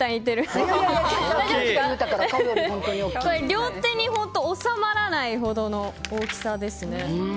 両手に収まらないほどの大きさですね。